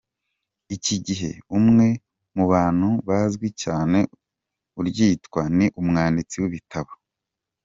iki gihe, umwe mu bantu bazwi cyane uryitwa ni umwanditsi w’ibitabo